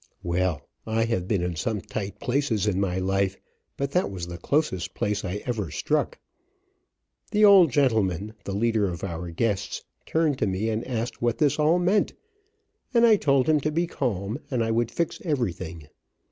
Well, I have been in some tight places in my life, but that was the closest place I ever struck. The old gentleman, the leader of our guests, turned to me and asked what this all meant, and I told him to be calm, and I would fix everything.